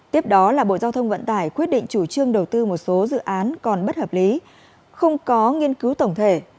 tiếp đó là bộ giao thông vận tải quyết định chủ trương đầu tư một số dự án còn bất hợp lý không có nghiên cứu tổng thể